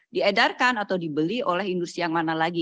diedarkan atau dibeli oleh industri yang mana lagi